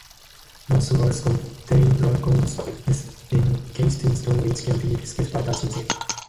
Most worlds contain dragons encased in stone, which can be rescued by touching them.